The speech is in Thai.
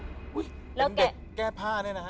เป็นเด็กแก้ผ้าเนี่ยนะ